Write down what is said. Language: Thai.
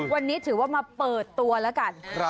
วันนี้ถือว่ามาเปิดตัวนะฮะ